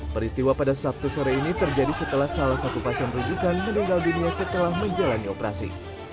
peristiwa pada sabtu sore ini terjadi setelah salah satu pasien rujukan meninggal dunia setelah menjalani operasi